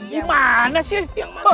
di mana sih